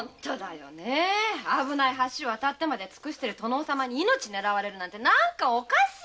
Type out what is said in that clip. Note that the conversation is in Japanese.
危ない橋渡ってまで尽くしている殿様に命を狙われるなんて変だよ。